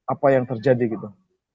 apa yang terjadi gitu